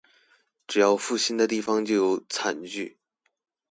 只要貪心的地方就有慘劇